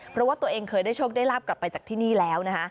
เพราะว่าตัวเองเคยได้โชคได้ลาบกลับไปจากที่นี่แล้วนะคะ